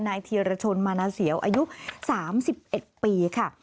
เทียรชนมานาเสียวอายุ๓๑ปีค่ะ